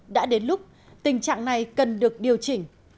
đã đến lúc tình trạng này cần được điều chỉnh